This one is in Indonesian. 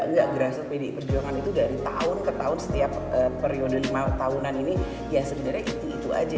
enggak grassroot pdi perjuangan itu dari tahun ke tahun setiap periode lima tahunan ini ya sebenarnya itu itu aja